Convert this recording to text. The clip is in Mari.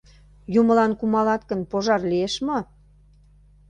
Юмылан кумалат гын, пожар лиеш мо?